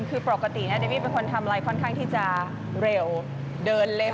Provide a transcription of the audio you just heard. คือปกติเดบี้เป็นคนทำอะไรค่อนข้างที่จะเร็วเดินเล็บ